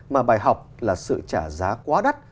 mà bài học là sự trả giá quá đắt